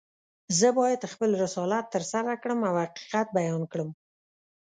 زه باید خپل رسالت ترسره کړم او حقیقت بیان کړم.